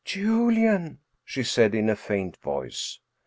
" Julian 1 " she said, in a faint voice.